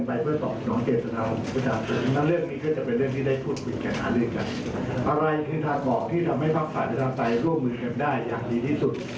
ใครคือทางบอกที่ทำให้ภาคภาคศาสตรายร่วมมือเก็บได้อย่างดีที่สุด